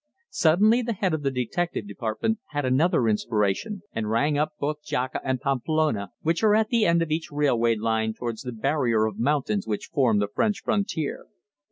Suddenly the head of the Detective Department had another inspiration and rang up both Jaca and Pamplona, which are at the end of each railway line towards the barrier of mountains which form the French frontier.